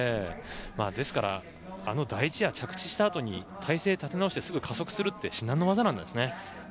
ですからあの第１エア着地したあとに体勢を立て直して加速するのは至難の業なんですね。